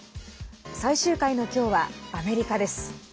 最終回の今日はアメリカです。